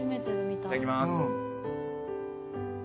いただきます。